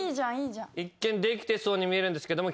一見できてそうに見えるんですけども。